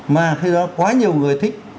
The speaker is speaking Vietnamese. mà khi đó quá nhiều người thích